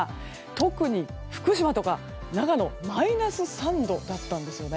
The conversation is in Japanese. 特に、福島や長野はマイナス３度だったんです。